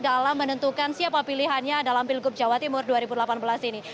dalam menentukan siapa pilihannya dalam pilgub jawa timur dua ribu delapan belas ini